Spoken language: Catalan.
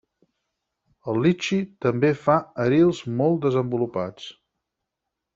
El litxi també fa arils molt desenvolupats.